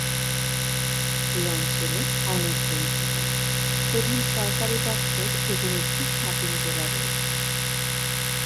এই অঞ্চলে অনেক গ্রন্থাগার, প্রধান সরকারি দপ্তর এবং একটি শপিং জেলা রয়েছে।